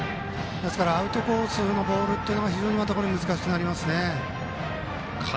アウトコースのボールが非常に難しくなりますね。